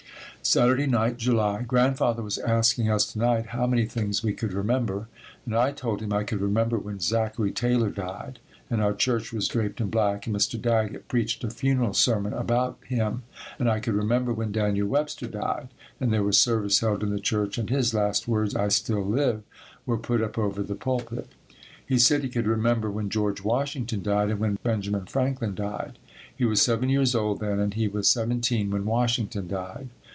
Saturday Night, July. Grandfather was asking us to night how many things we could remember, and I told him I could remember when Zachary Taylor died, and our church was draped in black, and Mr. Daggett preached a funeral sermon about him, and I could remember when Daniel Webster died, and there was service held in the church and his last words, "I still live," were put up over the pulpit. He said he could remember when George Washington died and when Benjamin Franklin died. He was seven years old then and he was seventeen when Washington died.